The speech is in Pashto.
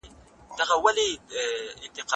تاسو باید له بې ځایه غونډو او ګڼې ګوڼې څخه ډډه وکړئ.